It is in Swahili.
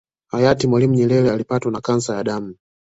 Hayati Mwalimu Nyerere Alipatwa na kansa ya damu